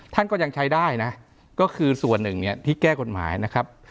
ท่านก็ยังใช้ได้นะก็คือส่วนหนึ่งเนี่ยที่แก้กฎหมายนะครับ